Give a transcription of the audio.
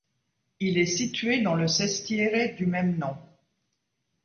Il est situé dans le sestiere du même nom.